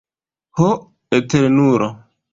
Ho Eternulo!